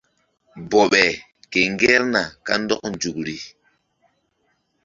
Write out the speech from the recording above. Bɔɓe ke ŋgerna kandɔk nzukri.